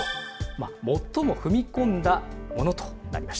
まあ最も踏み込んだものとなりました。